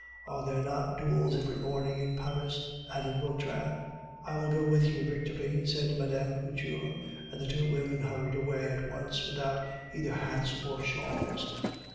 "Are there not duels every morning in Paris?" added Vautrin. "I will go with you, Victorine," said Mme. Couture, and the two women hurried away at once without either hats or shawls.